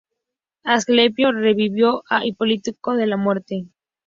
Asclepio revivió a Hipólito de la muerte.